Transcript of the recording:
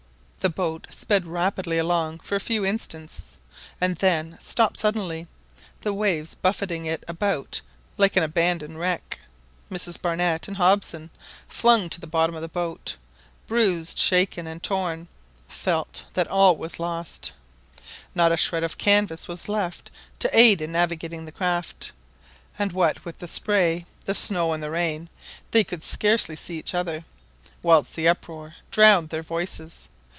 The boat sped rapidly along for a few instants, and then stopped suddenly, the waves buffeting it about like an abandoned wreck. Mrs Barnett and Hobson, flung to the bottom of the boat, bruised, shaken, and torn, felt that all was lost. Not a shred of canvas was left to aid in navigating the craft; and what with the spray, the snow, and the rain, they could scarcely see each other, whilst the uproar drowned their voices.